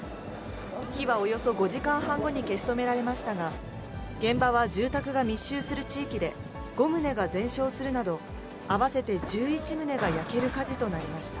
火はおよそ５時間半後に消し止められましたが、現場は住宅が密集する地域で、５棟が全焼するなど、合わせて１１棟が焼ける火事となりました。